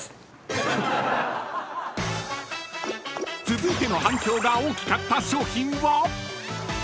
［続いての反響が大きかった商品は？］